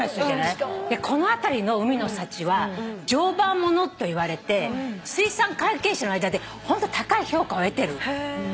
でこの辺りの海の幸は「常磐もの」と言われて水産関係者の間で高い評価を得てる。